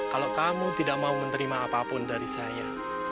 kalau kamu tidak mau menerima apapun dari saya